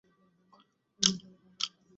এটি স্থানাঙ্কে অবস্থিত।